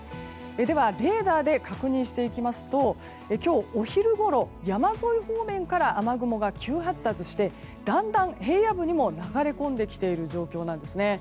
では、レーダーで確認していきますと今日お昼ごろ、山沿い方面から雨雲が急発達してだんだん平野部にも流れ込んできている状況なんですね。